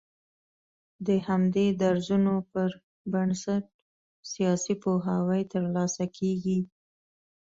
د همدې درځونو پر بنسټ سياسي پوهاوی تر لاسه کېږي